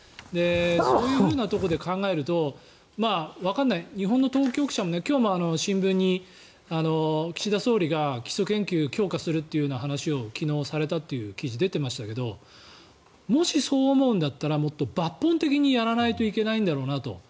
そういうところで考えるとわからない、日本の当局者も今日も新聞に岸田総理が基礎研究を強化するという話を昨日、されたという記事が出ていましたけどもしそう思うんだったらもっと抜本的にやらないといけないんだろうなと。